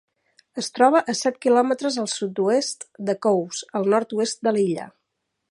Es troba a set quilòmetres al sud-oest de Cowes, al nord-oest de l'illa.